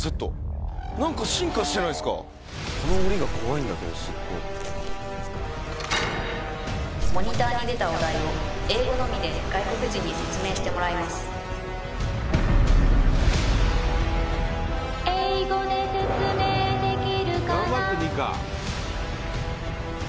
「この檻が怖いんだけどすごい」「モニターに出たお題を英語のみで外国人に説明してもらいます」頑張ってニカ。